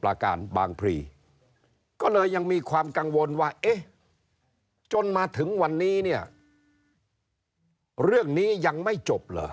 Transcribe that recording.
ไปตรวจและไปจับโรงงาน